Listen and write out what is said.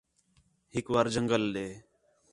ہِک وار جنڳل ݙے